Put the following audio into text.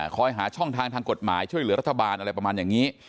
คอยหาช่องทางทางกฎหมายช่วยเหลือรัฐบาลอะไรประมาณอย่างนี้